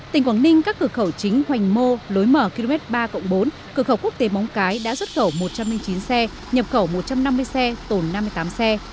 tỉnh quảng ninh các cửa khẩu chính hoành mô lối mở km ba bốn cửa khẩu quốc tế móng cái đã xuất khẩu một trăm linh chín xe nhập khẩu một trăm năm mươi xe tồn năm mươi tám xe